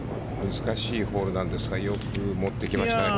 難しいホールなんですがよく持ってきましたね。